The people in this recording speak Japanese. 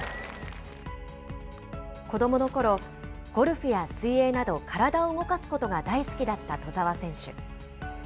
子どものころ、ゴルフや水泳など、体を動かすことが大好きだった兎澤選手。